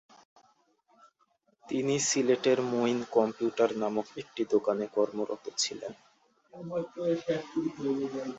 তিনি সিলেটের মঈন কম্পিউটার নামক একটি দোকানে কর্মরত ছিলেন।